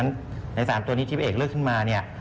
ใน๓ตัวนี้ที่พี่เอกเลือกขึ้นมาเนี่ย